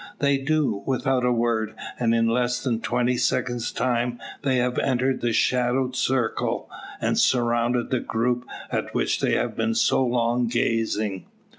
They do, without a word; and in less than twenty seconds' time, they have entered the shadowed circle, and surrounded the group at which they have been so long gazing.